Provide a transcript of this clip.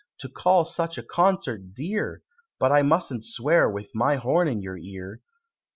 to call such a concert dear! But I musn't swear with my horn in your ear.